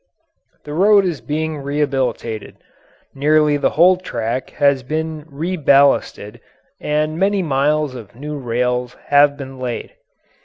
The road is being rehabilitated; nearly the whole track has been reballasted and many miles of new rails have been laid.